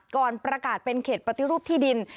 ก่อนประกาศเป็นเขตปฏิรูปที่ดิน